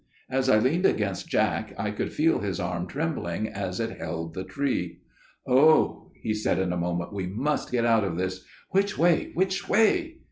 As I leaned against Jack, I could feel his arm trembling as it held the tree. "'Oh!' he said in a moment, 'we must get out of this. Which way, which way?